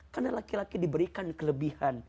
karena laki laki diberikan kelebihan